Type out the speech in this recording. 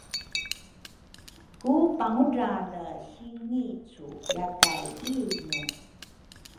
Ku Pangudrale si Ngicu yakay inu?